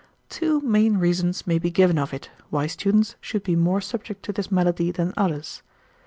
Two main reasons may be given of it, why students should be more subject to this malady than others.